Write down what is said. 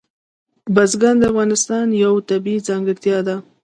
بزګان د افغانستان یوه طبیعي ځانګړتیا ده.